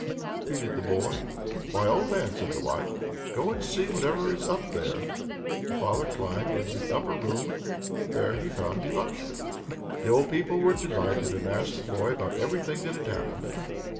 [repeated the boy.] "Why, old man," said the wife, "go and see whatever that is up there." The father climbed into the upper room and there he found Ivashko. The old people were delighted, and asked their boy about everything that had happened.